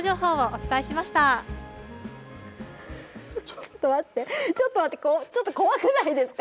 ちょっと待って、ちょっと待って、ちょっと怖くないですか。